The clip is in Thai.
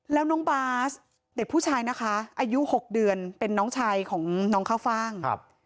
แล้วน้องบาสเด็กผู้ชายนะคะอายุ๖เดือนเป็นน้องชายของน้องข้าวฟ่าง